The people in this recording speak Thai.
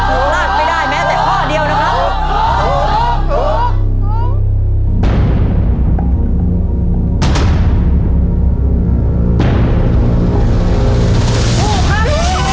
ถูกลากไม่ได้แม้แต่ข้อเดียวนะครับ